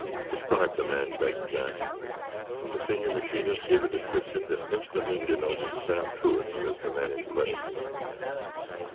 "Describe the man," begged Jack. The senior machinist gave a description that instantly denoted Sam Truax as the man in question.